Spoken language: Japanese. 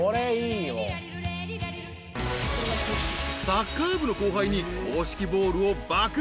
［サッカー部の後輩に公式ボールを爆買い］